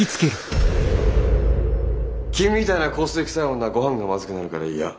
君みたいな香水くさい女ごはんがまずくなるから嫌。